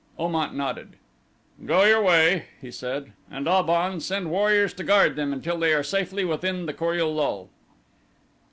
Om at nodded. "Go your way," he said, "and Ab on, send warriors to guard them until they are safely within the Kor ul lul.